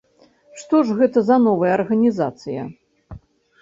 Што ж гэта за новая арганізацыя?